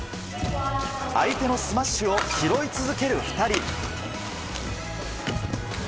相手のスマッシュを拾い続ける２人。